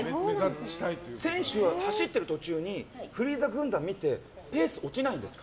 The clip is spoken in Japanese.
選手は走ってる途中にフリーザ軍団を見てペースは落ちないんですか？